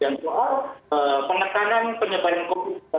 dan soal pengetanan penyebaran covid sembilan belas